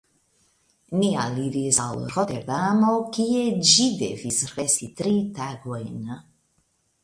Ni aliris al Roterdamo, kie ĝi devis resti tri tagojn.